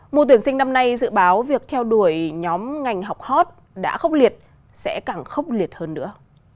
mùa tuyển sinh năm nay dự báo việc theo đuổi nhóm ngành học hot đã khốc liệt sẽ càng khốc liệt hơn nữa